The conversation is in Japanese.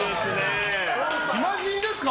暇人ですか？